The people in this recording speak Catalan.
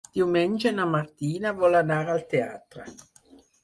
Diumenge na Martina vol anar al teatre.